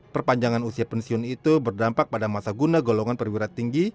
perpanjangan usia pensiun itu berdampak pada masa guna golongan perwira tinggi